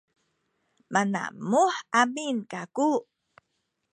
manamuh amin kaku